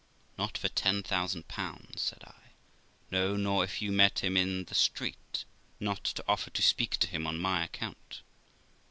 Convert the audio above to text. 'Not for ten thousand pounds', said I; 'no, nor if you met him in the street, not to offer to speak to him on my account.'